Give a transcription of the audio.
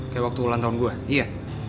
kayak waktu ulang tahun gua iya